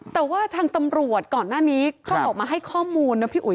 แต่ว่าทางตำรวจก่อนหน้านี้เขาออกมาให้ข้อมูลนะพี่อุ๋